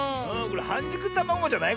はんじゅくたまごじゃない？